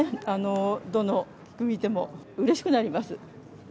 どの菊見ても、うれしくなります。